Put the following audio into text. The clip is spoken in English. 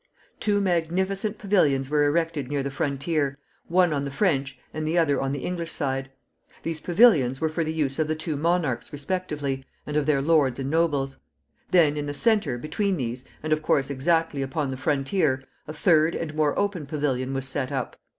Two magnificent pavilions were erected near the frontier, one on the French and the other on the English side. These pavilions were for the use of the two monarchs respectively, and of their lords and nobles. Then, in the centre, between these, and, of course, exactly upon the frontier, a third and more open pavilion was set up.